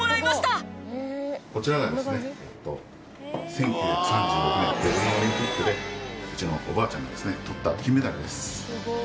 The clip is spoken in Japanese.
こちらがですね１９３６年ベルリンオリンピックでうちのおばあちゃんがとった金メダルです。